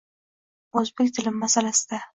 O'zbek tili masalasida